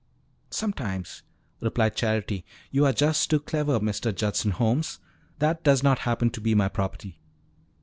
"Sometimes," replied Charity, "you are just too clever, Mr. Judson Holmes. That does not happen to be my property."